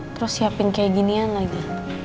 terus siapin kayak ginian lagi